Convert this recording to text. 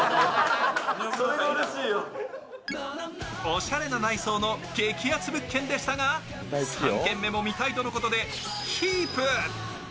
おしゃれな内装の激アツ物件でしたが３軒目も見たいとのことでキープ。